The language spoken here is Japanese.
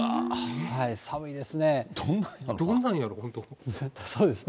寒いですね。